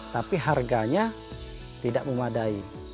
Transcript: tapi harganya tidak memadai